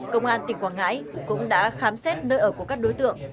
công an tỉnh quảng ngãi cũng đã khám xét nơi ở của các đối tượng